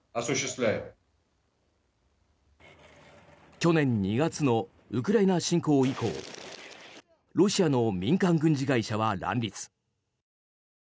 去年２月のウクライナ侵攻以降ロシアの民間軍事会社は乱立。